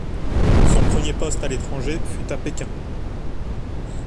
Son premier poste à l'étranger fut à Pékin.